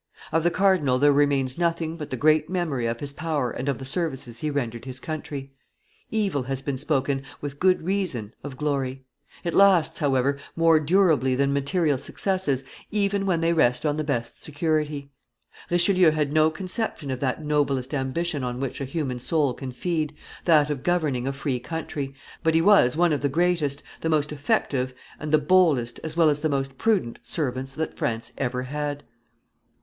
Of the cardinal there remains nothing but the great memory of his power and of the services he rendered his country. Evil has been spoken, with good reason, of glory; it lasts, however, more durably than material successes even when they rest on the best security. Richelieu had no conception of that noblest ambition on which a human soul can feed, that of governing a free country, but he was one of the greatest, the most effective, and the boldest, as well as the most prudent servants that France ever had.